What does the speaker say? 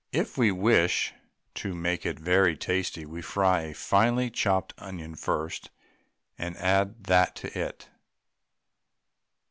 If we wish to make it very tasty we fry a finely chopped onion first and add that to it.